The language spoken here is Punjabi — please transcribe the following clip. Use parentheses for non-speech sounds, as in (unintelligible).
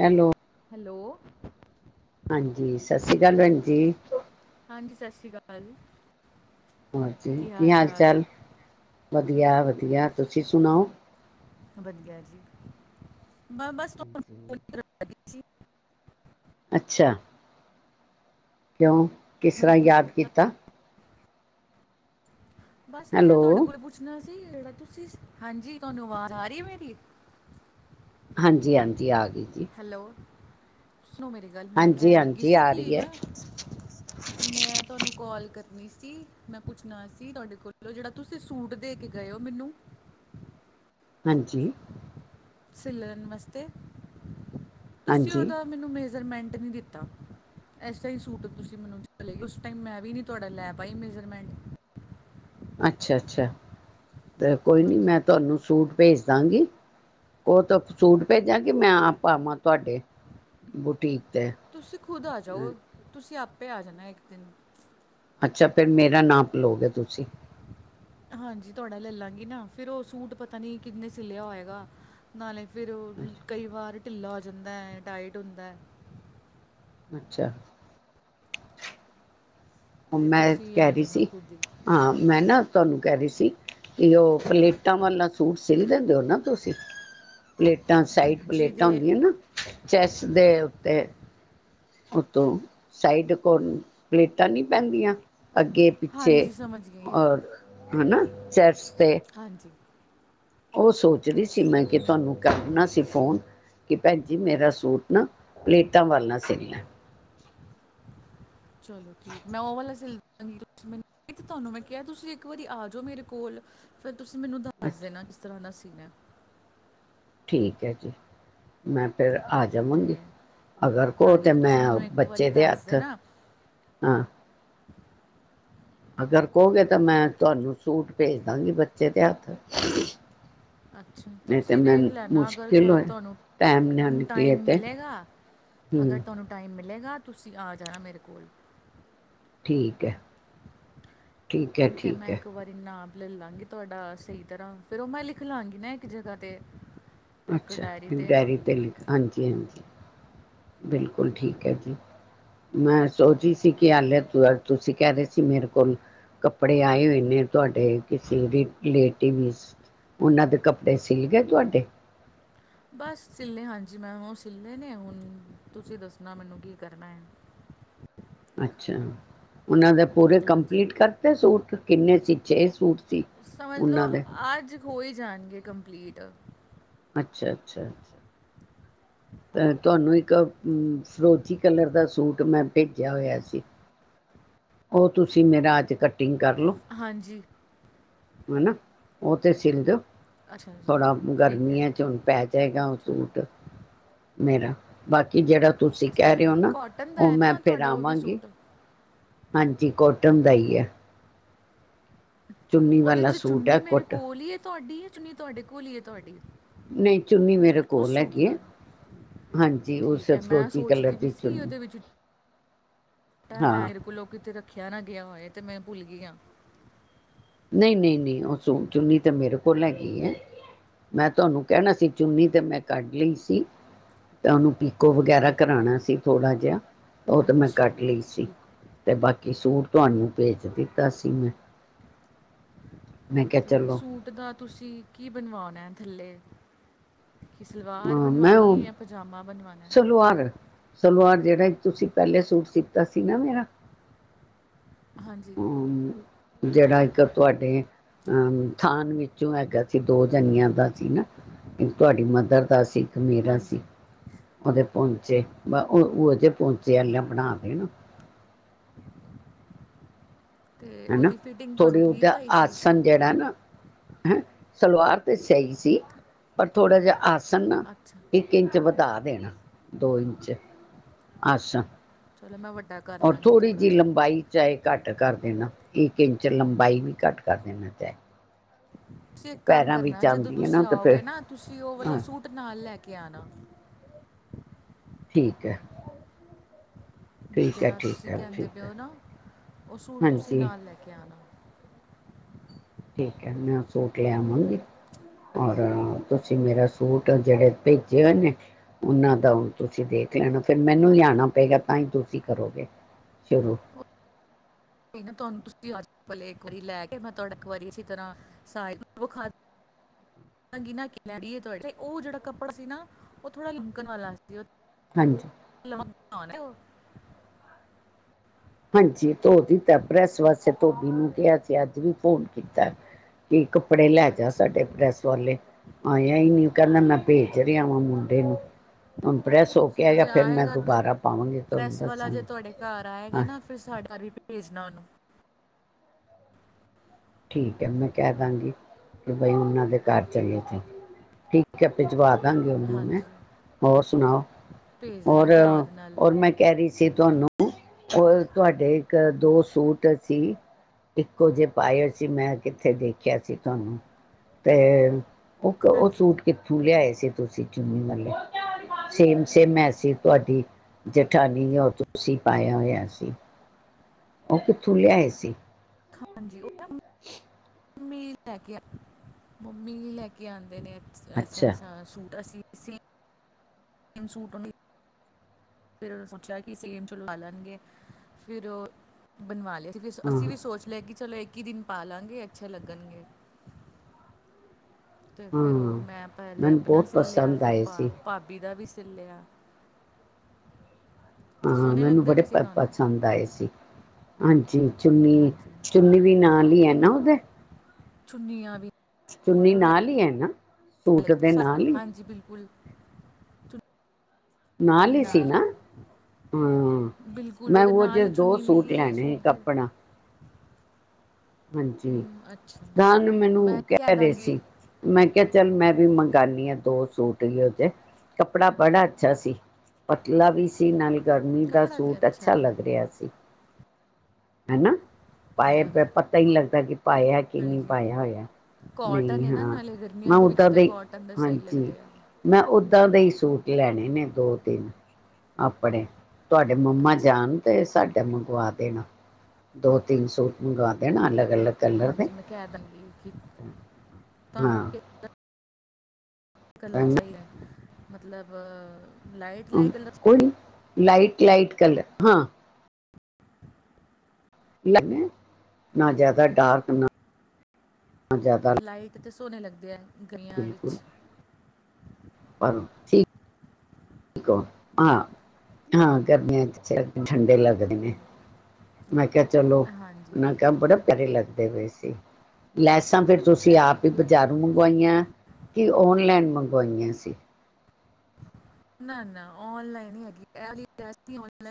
ਹੈਲੋ। ਹੈਲੋ। ਹਾਂਜੀ, ਸਤਿ ਸ੍ਰੀ ਅਕਾਲ ਭੈਣ ਹੈਲੋ ਜੀ। ਹਾਂਜੀ (unintelligible) ਹੋਰ ਜੀ ਕੀ ਹਾਲ ਚਾਲ ਵਧ ਵਧੀਆ ਵਧੀਆ ਤੁਸੀਂ ਸੁਣਾਓ। ਵਧੀਆ ਜੀ। ਬ- ਬਸ ਤੁਹਾਨੂੰ ਹਾਂਜੀ। ਕਰਨ ਲੱਗੀ ਸੀ। ਅੱਛਾ। ਕਿਉਂ ਕਿਸ ਤਰ੍ਹਾਂ ਯਾਦ ਕੀਤਾ। ਬਸ ਮੈਂ ਹੈਲੋ ਤੁਹਾਡੇ ਕੋਲ ਪੁੱਛਣਾ। ਜਿਹੜਾ ਤੁਸੀਂ ਹਾਂਜੀ ਤੁਹਾਨੂੰ ਆਵਾਜ਼ ਆ ਰਹੀ ਮੇਰੀ। ਹਾਂਜੀ ਹਾਂਜੀ ਆ ਗਈ। ਜੀ ਹੈਲੋ, ਸੁਣੋ ਮੇਰੀ ਗੱਲ ਮੈਂ ਹਾਂਜੀ ਕਹਿਣ ਲੱਗੀ ਹਾਂਜੀ ਸੀ ਆ ਕਿ ਰਹੀ ਨਾ ਹੈ ਮੈਂ ਤੁਹਾਨੂੰ ਕਾਲ ਕਰ ਸੀ ਮੈਂ ਪੁੱਛਣਾ ਸੀ ਤੁਹਾਡੇ ਕੋਲੋਂ ਜਿਹੜਾ ਤੁਸੀਂ ਸੂਟ ਦੇ ਕੇ ਗਏ ਹੋ ਮੈਨੂੰ ਹਾਂਜੀ, ਸਿੱਲਰ ਨਮਸਤੇ। ਤੁਸੀਂ ਹਾਂਜੀ ਉਹਦਾ ਮੈਨੂੰ ਮੇ ਮਜਰਮੈਂਟ ਨਹੀਂ ਦਿੱਤਾ ਇਸ ਤਾਈ ਸੂਟ ਤੁਸੀਂ ਮੈਨੂੰ ਉਸ ਟਾਈਮ ਮੈਂ ਵੀ ਨਹੀਂ ਤੁਹਾਡਾ ਲੈ ਪਾਈ ਮੇਜਰਮੈਂਟ। ਅੱਛਾ ਅੱਛਾ। ਤੇ ਕੋਈ ਨੀ ਹਾਂਜੀ ਮੈਂ ਤੁਹਾਨੂੰ ਸੂਟ ਭੇਜ ਦਾਂਗੀ ਉਹ ਤੋਂ ਸੂਟ ਭੇਜਾਂਗੇ ਮੈਂ ਆਪ ਆਵਾਂ ਤੁਹਾਡੇ ਬੁਟੀਕ। ਤੇ ਤੁਸੀਂ ਖੁਦ ਆ ਜਾਓ ਤੁਸੀਂ ਆ ਆਪੇ ਆ ਜਾਣਾ ਇੱਕ ਦਿਨ। ਅੱਛਾ ਫਿਰ ਮੇਰਾ ਨਾਪ ਲਓਗੇ ਤੁਸੀਂ ਹਾਂਜੀ ਤੁਹਾਡਾ ਲੈ ਲਾਂਗੀ। ਕੀ ਨਾ ਫਿਰ ਉਹ ਸੂਟ ਪਤਾ ਨੀ ਕਿੰਨੇ ਸਿੱਲਿਆ ਹੋਏਗਾ ਨਾਲੇ ਫਿਰ ਔ ਅੱਛਾ ਕਈ ਵਾਰ ਢਿੱਲਾ ਹੋ ਜਾਂਦੈ ਯਾਂ ਟਾਈਟ ਹੁੰਦੈ। ਅੱਛਾ। ਹੁਣ ਤੇ ਮੈਂ ਐਤ ਤੁਸੀਂ ਕਹਿ ਆ ਰੀ ਜਾਣਾ ਸੀ ਖੁਦ ਹੀ ਹਾਂ ਮੈਂ ਨਾ ਤੁਆਨੂੰ ਕੈ ਰੀ ਸੀ ਕਿ ਔ ਪਲੇਟਾਂ ਵਾਲਾ ਸੂਟ ਸਿੱਲ ਦਿੰਦੇ ਔ ਨਾ ਤੁਸੀਂ? ਪਲੇਟਾਂ ਸਾਈਡ ਪਲੇਟਾਂ ਜਿਹਦੇ ਹੁੰਦੀਆਂ ਨਾ, ਚੈਸ ਦੇ ਉੱਤੇ ਉਤੋਂ ਸਾਈਡ ਕੋਲ ਪਲੇਟਾਂ ਨਈ ਪੈਂਦੀਆਂ ਅੱਗੇ ਪਿੱਛੇ ਹਾਂਜੀ ਸਮਝ ਗਈ ਹਾਂ ਔਰ ਹੈਨਾ ਚੈਸ ਹਾਂਜੀ। ਔ ਸੋਚ ਰੀ ਸੀ ਮੈਂ ਕਿ ਤੁਆਨੂੰ ਕਰਨਾ ਸੀ ਫੋਨ ਕਿ ਭੈਣਜੀ ਮੇਰਾ ਅੱਛਾ ਸੂਟ ਨਾ ਪਲੇਟਾਂ ਵਾਲਾ ਸਿਲਨੈ। ਚਲੋ ਠੀਕ। ਮੈਂ ਔ ਵਾਲਾ ਸਿਲਾਦਾਂਗੀ (unintelligible) ਤੁਸੀ ਮੈਨੂੰ ਤੁਆਨੂੰ ਮੈਂ ਕਿਹਾ ਤੁਸੀਂ ਇੱਕ ਵਾਰੀ ਆ ਜਾਓ ਮੇਰੇ ਕੋਲ ਫਿਰ ਤੁਸੀ ਮੈਨੂੰ ਦੱਸ ਅੱਛਾ ਦੇਨਾ ਕਿਸ ਤਰ੍ਹਾਂ ਦਾ ਸਿ ਲਨੈ। ਠੀਕ ਐ ਜੀ। ਮੈਂ ਫਿਰ ਆ ਜਾਵਗੀ ਤੇ ਅਗਰ ਕਔ ਤਾਂ ਹਾਂਜੀ ਤੁਸੀਂ ਮੈਂ ਮੈਨੂੰ ਇੱਕ ਵਾਰੀ ਬੱਚੇ ਦੇ ਦੱਸ ਹੱਥ, ਦੇਣਾ ਹਾਂ ਅਗਰ ਕਔਗੇ ਤੇ ਮੈਂ ਤੁਆਨੂੰ ਸੂਟ ਭੇਜ ਦਾਂਗੀ ਬੱਚੇ ਦੇ ਹੱਥ। ਅੱਛਾ ਤਾਂ ਨਹੀਂ ਤੇ ਤੁਸੀਂ ਵੇਖ ਮੈਨੂੰ ਲੈਣਾ ਅਗਰ ਜੋ ਮੁਸ਼ਕਿਲ ਹੈ ਹੋਏ ਤੁਆਨੂੰ ਟਾਈਮ ਨਾ ਨਿਕਲੇ ਟਾਈਮ ਤੇ ਮਿਲੇਗਾ, ਅਗਰ ਹੂੰ ਤੁਹਾਨੂੰ ਟਾਈਮ ਮਿ ਲੇਗਾ ਤੁਸੀ ਆ ਜਾਣਾ ਮੇਰੇ ਕੋਲ। ਠੀਕ ਐ। ਠੀਕ ਐ ਮੈਂ ਇੱਕ ਵਾਰੀ ਨਾ ਲੱਲ ਲਾਂਗੀ ਤੁਆਡਾ ਸਈ ਤਰ੍ਹਾਂ, ਫਿਰ ਔ ਮੈਂ ਲਿਖ ਲਾਂਗੀ ਨਾ ਇੱਕ ਜਗ੍ਹਾ ਤੇ ਇੱਕ ਅੱਛਾ ਡਾਇਰੀ ਡਾਇਰੀ ਤੇ ਲਿਖ, ਹਾਂਜੀ-ਹਾਂਜੀ। ਬਿਲਕੁਲ ਠੀਕ ਐ ਜੀ। ਮੈਂ ਸੋਚ ਰੀ ਸੀ ਕਿ ਹਾਲੇ ਤੁਆ, ਤੁਸੀਂ ਕਹਿ ਰਏ ਸੀ ਮੇਰੇ ਕੋਲ ਕੱਪੜੇ ਆਏ ਹੋਏ ਨੇ ਤੁਆਡੇ ਕਿਸੀ ਰਿਟ ਲੇਟਿਵ ਵੀ ਸ। ਉਹਨਾਂ ਦੇ ਕੱਪੜੇ ਸਿੱਲ ਗਏ ਤੁਆਡੇ? ਬਸ ਸਿੱਲ ਲਏ, ਹਾਂਜੀ ਮੈਂ ਉਹ ਸਿੱਲਨੇ ਨੇ ਹੁਣ ਤੁਸੀ ਦੱਸਣਾ ਮੈਨੂੰ ਕੀ ਕਰਨਾ ਐ। ਅੱਛਾ। ਔਨਾਂ ਦੇ ਪੂਰੇ ਹਾਂਜੀ ਕੰਪਲੀਟ ਕਰਤੇ ਸੂਟ। ਕਿੰਨੇ ਸੀ? ਛੇ ਸੂਟ ਸੀ, ਸਮਝ ਲਓ ਉਹਨਾਂ ਦੇ। ਟ। ਅੱਛਾ, ਅੱਛਾ, ਅੱਛਾ। ਤੇ ਤੁਆਨੂੰ ਇੱਕ ਹੰ ਫਰੋਜ਼ੀ ਕਲਰ ਦਾ ਸੂਟ ਮੈਂ ਭੇਜਿਆ ਹੋਇਆ ਸੀ, ਉਹ ਤੁਸੀ ਮੇਰਾ ਅੱਜ ਕਟਿੰਗ ਹਾਂਜੀ। ਹੈ ਨਾ ਔ ਤੇ ਸਿਲ ਦੋ। ਅੱਛਾ ਜੀ ਥੋੜ੍ਹਾ ਠੀਕ ਹੈ ਗਰਮੀਆਂ ਚ ਹੁਣ ਪੈ ਜਾਏਗਾ ਔ ਚਲੋ ਸੂਟ। ਮੇਰਾ ਬਾਕੀ ਜਿਹੜਾ ਤੁਸੀਂ ਕਹਿ ਰਹੇ ਹੋ ਸਿਲਾਂਗੀ ਨਾ, ਕਾਟਨ ਦਾ ਉਹ ਹੈ ਮੈਂ ਨਾ ਫਿਰ ਤੁਹਾਡਾ ਉਹ ਵੀ ਆਵਾਂਗੀ ਸੂਟ ਹਾਂਜੀ ਕੋਟਨ ਦਾ ਹੀ ਹੈ ਚੁੰਨੀ ਉਹਦੇ ਵਾਲਾ ਚ ਸੂਟ ਹੈ ਚੁੰਨੀ ਮੇਰੇ ਕੋਟ ਕੋਲ ਹੀਈ ਤੁਹਾਡੀ ਨੀ ਤੁਹਾਡੇ ਕੋਲ ਹੀ ਹੈ ਤੁਹਾਡੀ ਨਹੀਂ ਚੁੰਨੀ ਮੇਰੇ ਉਹ ਕੋਲ ਸੂਟ ਹੈਗੀ ਹੈ ਨਾਲ ਹਾਂਜੀ ਉਸ ਠੀਕ ਸਿਰ ਹੈ ਮੈਂ ਫਰੋਜ਼ ਕਲਰ ਸੋਚਦੀ ਵੀ ਦੀ ਸੀ ਚੁੰਨੀ ਉਹਦੇ ਵਿੱਚ ਹੈ ਹਾਂ ਮੇਰੇ ਕੋਲ ਕਿਥਤੇ ਰੱਖ ਖਿਆ ਨਾ ਗਿਆ ਹੋਆ ਤੇ ਮੈਂ ਭੁੱਲ ਗਈ ਹਾ ਨਹੀਂ, ਨਹੀਂ ਨਹੀਂ ਉਹ ਸੂਟ ਚੁੰਨੀ ਤਾਂ ਮੇਰੇ ਕੋਲ ਹੈਗੀ ਹੈ। ਮੈਂ ਤੁਹਾਨੂੰ ਕਹਿਣਾ ਸੀ ਚੁੰਨੀ ਤਾਂ ਮੈਂ ਕੱਢ ਲਈ ਸੀ ਤੇ ਉਹਨੂੰ ਪੀਕੋ ਵਗੈਰਾ ਕਰਾਉਣਾ ਸੀ। ਥੋੜ੍ਹਾ ਜਿਹਾ ਉਹ ਤਾਂ ਮੈਂ ਅੱਛਾ ਕੱਢ ਲਈ ਸੀ ਠੀਕ ਤੇ ਬਾਕੀ ਸੂਟ ਤੁਹਾਨੂੰ ਭੇਜ ਦਿੱਤਾ ਸੀ, ਮੈਂ ਮੈਂ ਕਿਹਾ ਅਤੇ ਚਲੋ ਸੂਟ ਦਾ ਤੁਸੀਂ ਕੀ ਬਣਵਾਉਣਾ ਥੱਲੇ ਕਿ ਸਲਵਾਰ ਹਾਂ ਮੈਂ ਬਣਵਾਉਣੀ ਉਹ ਹੈ ਜਾਂ ਪਜਾਮਾ ਬਣਵਾਉਣਾ ਸਲਵਾਰ ਸਲਵਾਰ ਜਿਹੜਾ ਤੁਸੀਂ ਪਹਿਲੇ ਸੂਟ ਸੀਤਾ ਸੀ ਨਾ ਮੇਰਾ ਹਾਂਜੀ ਜਿਹੜਾ ਇੱਕ ਤੁਹਾਡੇ ਥਾਨ ਵਿੱਚੋਂ ਹੈਗਾ ਸੀ, ਦੋ ਜਣਿਆਂ ਦਾ ਸੀ ਨਾ ਇੱਕ ਤੁਹਾਡੀ ਮਦਰ ਦਾ ਸੀ। ਇੱਕ ਮੇਰਾ ਸੀ, ਹਾਂਜੀ ਉਹਦੇ ਭੁੰਨ ਉਹ ਜਿਹੇ ਪਹਚੇ ਵਾਲਿਆਂ ਬਣਾ ਦੇਣਾ ਤੇ ਹਨਾ, ਉਹਦੀ ਫਿਟਿੰਗ ਤੁਹਾਨੂੰ ਥੋੜ੍ਹੀ ਠੀਕ ਉਹਦਾ ਆਈ ਸੀ ਆਸਨ ਜਿਹੜਾ ਨਾ ਹੈਂ, ਸਲਵਾਰ ਤੇ ਸਹੀ ਸੀ ਪਰ ਥੋੜਾ ਜਿਹਾ ਆਸ ਸੰ ਅੱਛਾ ਇੱਕ ਇੰਚ ਵਧਾਰ ਦੇਣਾ ਦੋ ਇੰਚ ਅੱਛਾ ਚਲੋ ਮੈਂ ਕਰ ਰ ਦਾਂਗੀ ਥੋੜ੍ਹੀ ਥੋੜਾ ਜਿਹੀ ਜਿਹਾ ਲੰਬਾਈ ਚਾਹੇ ਘੱਟ ਕਰ ਦੇਣਾ ਇੱਕ ਇੰਚ ਲੰਬਾਈ ਵੀ ਘੱਟ ਕਰ ਦਿੰਦਾ ਤੇ ਤੁਸੀਂ ਇੱਕ ਕੰਮ ਕਰਨਾ ਜਦੋਂ ਹੈ ਨਾ ਤੁਸੀਂ ਤੇ ਆਓਗੇ ਫਿਰ ਨਾ ਤੁਸੀਂ ਉਹ ਵਾਲਾ ਹਾਂ ਸੂਟ ਨਾਲ ਲੈ ਕੇ ਆਣਾ ਠੀਕ ਹੈ। ਠੀਕ ਹੈ ਜਿਹੜਾ ਠੀਕ ਤੁਸੀਂ ਹੈ ਕਹਿੰਦੇ ਠੀਕ ਹੈ ਪਿਉ ਨਾ ਉਹ ਸੂਟ ਤੁਸੀਂ ਹਾਂਜੀ ਨਾਲ ਲੈ ਕੇ ਆਉਣਾ ਠੀਕ ਹੈ, ਮੈਂ ਸੂਟ ਲਿਆਵਾਂਗੀ ਔਰ ਤੁਸੀਂ ਮੇਰਾ ਸੂਟ ਜਿਹੜੇ ਭੇਜੇ ਹੋਏ ਨੇ ਉਹਨਾਂ ਦਾ ਤੁਸੀਂ ਦੇਖ ਲੈਣਾ ਫੇਰ ਮੈਨੂੰ ਲਿਆਣਾ ਪਏਗਾ ਤਾਂ ਹੀ ਤੁਸੀਂ ਕਰੋਗੇ ਸ਼ੁਰੂ ਉਹ ਤੁਹਾਨੂੰ ਸੀ ਪਲੇ ਵਾਰੀ ਲੈ ਕੇ ਮੈਂ ਤੁਹਾਡਾ ਇੱਕ ਵਾਰੀ ਅ ਤਰ੍ਹਾਂ ਉਹ ਜਿਹੜਾ ਕੱਪੜਾ ਸੀ ਨਾ ਉਹ ਥੋੜਾ ਲਿਕਣ ਵਾਲਾ ਸੀ ਹਾਂਜੀ (unintelligible) ਹਾਂਜੀ ਧੋ ਦਿੱਤਾ ਪ੍ਰੈਸ ਵਾਸਤੇ ਧੋਬੀ ਨੂੰ ਕਿਹਾ ਸੀ, ਅੱਜ ਵੀ ਫੋਨ ਕੀਤਾ ਕਿ ਕੱਪੜੇ ਲੈ ਜਾ ਅੱਛਾ ਸਾਡੇ ਪ੍ਰੈਸ ਵਾਲੇ ਆ ਯ ਇਹ ਨੀ ਕਹਿੰਦਾ ਮੈਂ ਭੇਜ ਰਿਹਾ ਵਾਂ ਮੁੰਡੇ ਨੂੰ ਹੁਣ ਪ੍ਰੈਸ ਹੋ ਕੇ ਚਲੋ ਆਗਏ ਨੇ ਜੇ ਫੇਿਰ ਮੈਂ ਆਏਗਾ ਤਾਂ ਦੁਬਾਰਾ ਪਾਵਾਂਗੀ ਤੁਹਾਨੂੰ ਪ੍ਰੈਸ ਵਾਲਾ ਜੇ ਦੱਸਾਂਗੀ ਤੁਹਾਡੇ ਘਰ ਹਾਂ ਆਏਗਾ ਨਾ ਫਿਰ ਸਾਡਾ ਭੇਜਣਾ ਉਹਨੂੰ ਠੀਕ ਹ ਮੈਂ ਕਹਿ ਦਾਂਗੀ ਕਿ ਬਈ ਉਹਨਾਂ ਦੇ ਘਰ ਚੱਲੇ ਠੀਕ ਹ ਤੇ ਜਵਾਬ ਹਾਂਜੀ ਔਰ ਸੁਣਾਓ ਭੇਜ ਦੇਣਾ ਔਰ ਯਾਦ ਨਾਲ ਔਰ ਮੈਂ ਕਹਿ ਰਹੀ ਮੁੜਕੇ ਜਾਂ ਜੇ ਤੁਹਾਨੂੰ ਤੁਹਾਡੇ ਦੋ ਸੂਟ ਅਸੀਂ ਇੱਕੋ ਜਿਹੇ ਪਾਏ ਜੀ ਮੈਂ ਕਿੱਥੇ ਦੇਖਿਆ ਸੀ ਤੁਹਾਨੂੰ ਤੇ ਉਹ ਉਹ ਹਾਂਜੀ ਸੂਟ ਕੀਤੀ ਲਿਆਏ ਸੀ ਤੁਸੀਂ ਚੁੰਨੀ ਵਾਲੇ ਸੇਮ ਸੇਮ ਮੈਸੇਜ ਤੁਹਾਡੀ ਜੇਠਾਣੀ ਨੇ ਤੁਸੀਂ ਪਾਇਆ ਹੋਇਆ ਸੀ ਉਹ ਕਿੱਥੋਂ ਲਿਆਏ ਸੀ ਹਾਂਜੀ ਉਹ ਮੰਮੀ ਲੈ ਕੇ ਮੰਮੀ ਲੈ ਕੇ ਆਉਂਦੇ ਨੇ ਅੱਛਾ ਸੂਟ ਅਸੀਂ ਸੇਮ ਸੂਟਦੇ ਫਿਰ ਉਹਨ ਸੋਚਿਆ ਕਿ ਸੇਮ ਚਲਵਾ ਲੈਣਗੇ ਫਿਰ ਉਹ ਬਣਵਾ ਲਿਆ ਹਾਂ ਅਸੀਂ ਵੀ ਸੋਚ ਲਿਆ ਕਿ ਚਲੋ ਇੱਕ ਹੀ ਦਿਨ ਪਾ ਲਵਗੇ ਅੱਛੇ ਲੱਗਣਗੇ ਤੇ ਫਿਰ ਹਾਂ ਉਹ ਮੈਂ ਪਹਿਲੇ ਮੈਨੂੰ ਆਪਣਾ ਬਹੁਤ ਸ ਲਿਆ ਪਸੰਦ ਫਿਰ ਆਏ ਭ ਸੀ ਭਾਬੀ ਦਾ ਵੀ ਚੱਲਿਆ ਹਾਂ ਮੈਨੂੰ ਬੜੇ ਪ ਤੁਹਾਨੂੰ ਪਸੰਦ ਆਏ ਸੀ ਹਾਂਜੀ ਜੀ ਚੁੰਨੀ ਹਾਂਜੀ ਚੁੰਨੀ ਵੀ ਨਾਲ ਹੀ ਹੈ ਨਾ ਉਹਦੇ ਚੁੰਨੀਆਂ ਵੀ ਚੁੰਨੀ ਬੜੇ ਪਿਆਰੇ ਨਾਲ ਹੀ ਹੈ ਨਾ ਸੂਟ ਦੇ ਨਾਲ ਹੀ ਹਾਂਜੀ ਬਿਲਕੁਲ ਨਾਲ ਹੀ ਸੀ ਨਾ ਹਮ ਹੀ। ਬਿਲਕੁਲ ਮੈਂ ਉਹਦੇ ਉਹ ਨਾਲ ਜਿਹੇ ਹੀ ਦੋ ਚੁੰਨੀ ਸੂਟ ਮਿਲੀ ਹੈ ਲੈਣੇ ਸੀ ਸੂਟ ਦੇ ਕੱਪਣਾ ਹਾਂਜੀ ਹਮ, ਅੱਛਾ ਤਾਂ ਨੂੰ ਮੈਨੂੰ ਮੈਂ ਕਹਿ ਰਹੇ ਦਾਂਗੀ ਸੀ ਮੈਂ ਕਿਹਾ ਚਲ ਮੈਂ ਵੀ ਕਰਨੀ ਹ ਦੋ ਸੂਟ ਵੀ ਉਹ ਚੇ ਕੱਪੜਾ ਬੜਾ ਅੱਛਾ ਸੀ ਪਤਲਾ ਵੀ ਸੀ ਨਾਲ ਗਰਮੀ ਦਾ ਕਪੜਾ ਤੇ ਸੂਟ ਅੱਛਾ ਹੈ ਲੱਗ ਰਿਹਾ ਸੀ ਹਨਾ ਅੱਛਾ ਪਾਏ ਹੈ ਉਹਦਾ ਪਤਾ ਹੀੀ ਲੱਗਦਾ ਕਿ ਪਾਇਆ ਕਿ ਨਹੀਂ ਹਾਂਜੀ ਪਾਇਆ ਹੋਇਆ ਕਾਟਨ ਨਹੀਂ ਹੈ ਨਾ ਹਾਂ ਨਾਲੇ ਮੈਂ ਗਰਮੀਆਂ ਵਿੱਚ ਉੱਦਾਂ ਤਾਂ ਦੇ ਕਾਟਨ ਦਾ ਸਹੀ ਹਾਂਜੀ ਲੱਗਦੇ ਆ ਮੈਂ ਉਓਦਾਂ ਦੇ ਹੀ ਸੂਟ ਲੈਣੇ ਨੇ ਦੋ ਤਿੰਨ ਆਪਣੇ ਤੁਹਾਡੇ ਮੰਮਾ ਜਾਣ ਤੇ ਸਾਡੇ ਮੰਗਵਾ ਦੇਣਾ ਦੋ ਤਿੰਨ ਸੂਟ ਮੰਗਵਾਉਂਦੇ ਨਾ ਅਲੱਗ ਅਲੱਗ ਕਲਰ ਦੇ ਹਾਂਜੀ ਮੈਂ ਕਹਿ ਦਾਂਗੀ ਕਿ ਤੁਹਾਨੂੰ ਹਾਂ ਕਲਰ ਚਾਹੀਦਾ ਮਤਲਬ ਲਾਈਟ ਲਾਈਟ ਕਲ ਕੋਈ ਲਾਈਟ ਲਾਈਟ ਕਲਰ ਹਾਂ ਲ ਨਾ ਜ਼ਿਆਦਾ ਡਾਰਕ ਨਾ ਜ਼ਿਆਦਾ ਲਾਈਟ ਤੇ ਸੋਣੇ ਲਗਦੇ ਹੈ ਗਆਂ ਬਿਲਕੁਲ ਵਿੱਚ ਪਰ ਠੀਕ ਠਕ ਹਾਂ ਹਾਂ ਕਰਨ ਆ ਠੰਡੇ ਲੱਗਦੇ ਨੇ ਮੈਂ ਕਿਹਾ ਚਲੋ ਹਾਂਜੀ ਉਹਨਾਂ ਕਿਹਾ ਬਿਲਕੁਲ ਬੜੇ ਪਿਆਰੇ ਲੱਗਦੇ ਹੋਏ ਸੀ ਲੈਸਾਂ ਫਿਰ ਤੁਸੀਂ ਆਪ ਹੀ ਬਜ਼ਾਰੂ ਮੰਗਵਾਈਆਂ ਕਿ ਓਨਲਾਈਨ ਮੰਗਵਾਈਆਂ ਸੀ ਨਾ ਨਾ ਔਨਲਾਈਨ ਹੀ ਹੈਗੀ